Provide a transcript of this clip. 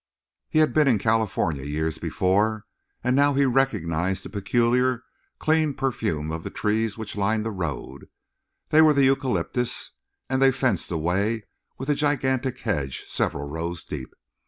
He had been in California years before, and now he recognized the peculiar, clean perfume of the trees which lined the road; they were the eucalyptus, and they fenced the way with a gigantic hedge several rows deep.